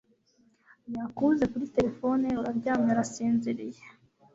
yakubuze kuri telephone, uraryamye urasinziriye